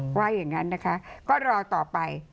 ว่าอย่างนั้นนะคะก็รอต่อไป